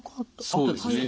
そうですね。